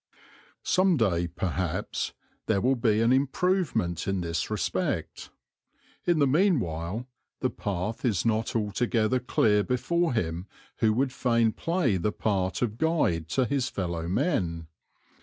Some day, perhaps, there will be an improvement in this respect. In the meanwhile the path is not altogether clear before him who would fain play the part of guide to his fellow men.